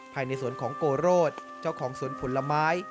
ภายในสวนของโกโรธเจ้าของสวนผลไม้